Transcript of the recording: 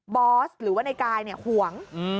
อสหรือว่าในกายห่วง